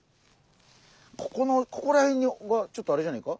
ここのここら辺にちょっとあれじゃないか？